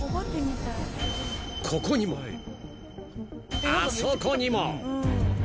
［ここにもあそこにも］